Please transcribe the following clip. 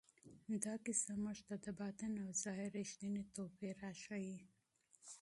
دا کیسه موږ ته د باطن او ظاهر رښتینی توپیر راښیي.